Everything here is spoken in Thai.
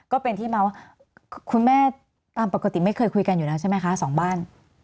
ก็เป็นที่มาว่าคุณแม่ตามปกติไม่เคยคุยกันอยู่แล้วใช่ไหมคะสองบ้าน